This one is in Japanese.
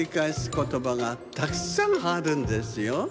ことばがたくさんあるんですよ。